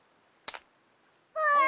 わあ！